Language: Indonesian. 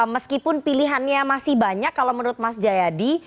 meskipun pilihannya masih banyak kalau menurut mas jayadi